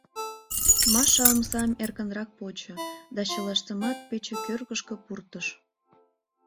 Маша омсам эркынрак почо да чылаштымат пече кӧргышкӧ пуртыш.